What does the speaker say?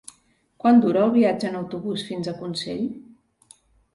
Quant dura el viatge en autobús fins a Consell?